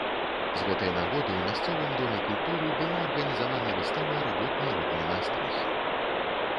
З гэтай нагоды ў мясцовым доме культуры была арганізавана выстава работ народнай майстрыхі.